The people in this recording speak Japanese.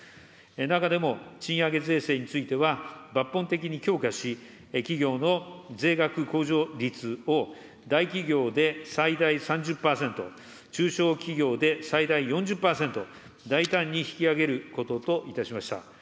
中でも賃上げ税制については、抜本的に強化し、企業の税額控除率を、大企業で最大３０％、中小企業で最大４０％、大胆に引き上げることといたしました。